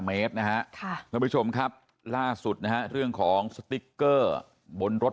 เมตรนะฮะค่ะคุณผู้ชมครับล่าดสุดนะฮะเรื่องของบนรถ